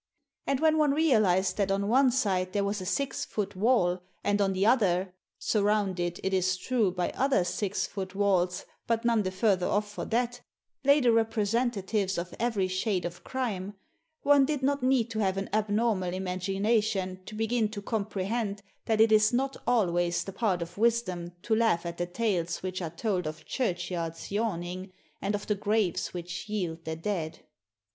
And when one realised that on one side there was a six foot wall, and on the other — surrounded, it is true, by other six foot walls, but none the further off for that — lay the representatives of every shade of crime, one did not need to have an abnormal imagination to begin to comprehend that it is not always the part of wisdom to laugh at the tales which are told of churchyards yawning, and of the graves which yield their dead.